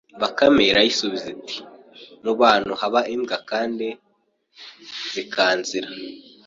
Bakame irayisubiza iti mu bantu haba imbwa kandi zikanzira